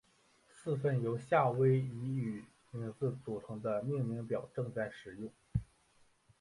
四份由夏威夷语名字组成的命名表正在使用。